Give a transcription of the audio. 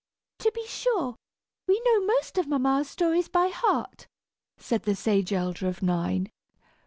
"To be sure, we know most of mamma's stories by heart," said the sage elder of nine.